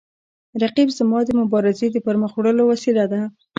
رقیب زما د مبارزې د پرمخ وړلو وسیله ده